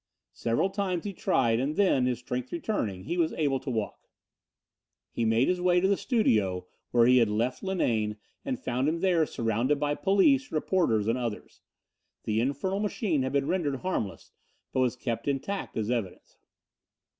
Several times he tried and then, his strength returning, he was able to walk. He made his way to the studio where he had left Linane and found him there surrounded by police, reporters and others. The infernal machine had been rendered harmless, but was kept intact as evidence.